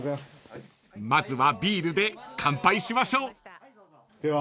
［まずはビールで乾杯しましょう］では。